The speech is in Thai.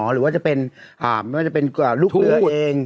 หรือว่าจะเป็นลูกเรือเอง